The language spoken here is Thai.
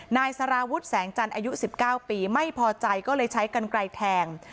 นายสารวุฒิแสงจันทร์อายุ๑๙ปีไม่พอใจก็เลยใช้กันไกลแทง